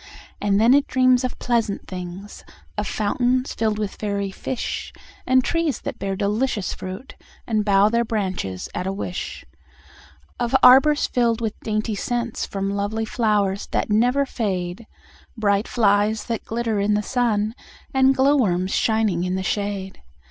And then it dreams of pleasant things, Of fountains filled with fairy fish, And trees that bear delicious fruit, And bow their branches at a wish; Of arbors filled with dainty scents From lovely flowers that never fade; Bright flies that glitter in the sun, And glow worms shining in the shade.